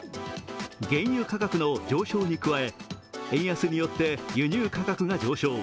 原油価格の上昇に加え、円安によって輸入価格が上昇。